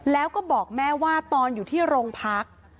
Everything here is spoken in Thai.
แล้วก็บอกแม่ว่าตอนอยู่ที่โรงพัก